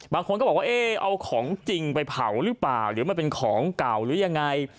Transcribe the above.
บางคนก็บอกว่าเอ๊ะเอาของจริงไปเผาหรือเปล่าหรือมันเป็นของเก่าหรือยังไง